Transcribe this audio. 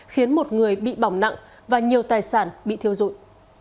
khiến một người bị bỏng nặng và nhiều tài sản bị thiêu dụi